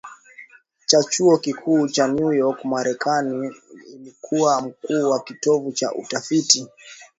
cha chuo kikuu cha New York MarekaniNhalevilo alikuwa mkuu wa kitivo cha utafiti